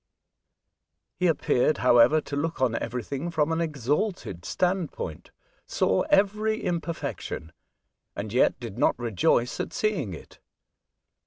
He appeared, however, to look on everything from an exalted standpoint, saw every imperfection, and yet did not rejoice at seeing it.